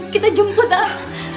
kita jemput ah